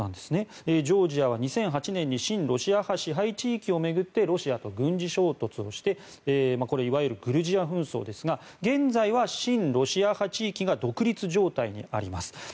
ジョージアは２００８年に親ロシア派支配地域を巡ってロシアと軍事衝突していわゆるグルジア紛争ですが現在は親ロシア派地域が独立状態にあります。